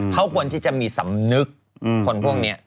เขาควรที่จะมีสำนึกคนพวกนี้